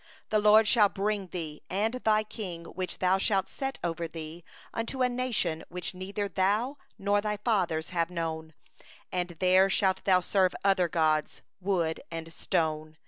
36The LORD will bring thee, and thy king whom thou shalt set over thee, unto a nation that thou hast not known, thou nor thy fathers; and there shalt thou serve other gods, wood and stone.